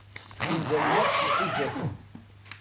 Imdanen akk iḥuza-ten.